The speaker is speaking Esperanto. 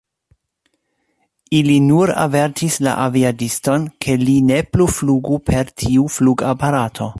Ili nur avertis la aviadiston, ke li ne plu flugu per tiu flugaparato.